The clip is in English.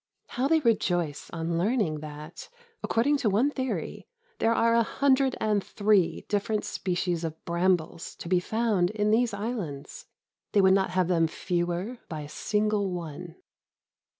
How they rejoice on learning that, according to one theory, there are a hundred and three different species of brambles to be found in these islands! They would not have them fewer by a single one.